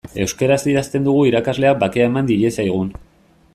Euskaraz idazten dugu irakasleak bakea eman diezagun.